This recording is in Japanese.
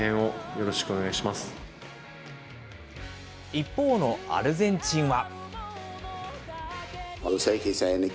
一方のアルゼンチンは。